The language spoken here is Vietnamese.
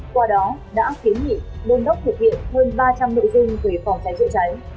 qua đó đã kiến nghị đôn đốc thực hiện hơn ba trăm linh nội dung về phòng cháy chữa cháy